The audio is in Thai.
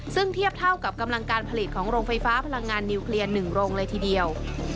ซึ่งเทียบเท่ากับกำลังการผลิตของโรงไฟฟ้าพลังงานนิวเคลียร์๑โรงเลยทีเดียว